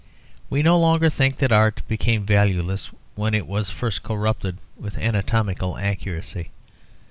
We no longer think that art became valueless when it was first corrupted with anatomical accuracy.